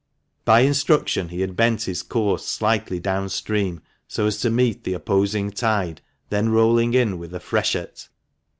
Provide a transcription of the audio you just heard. By instruction he had bent his course slightly down stream, so as to meet the opposing tide, then rolling in with a freshet.